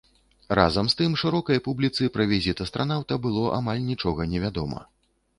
Разам з тым, шырокай публіцы пра візіт астранаўта было амаль нічога невядома.